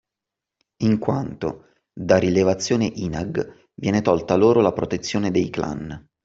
In quanto, da Rilevazione INAG, viene tolta loro la protezione dei clan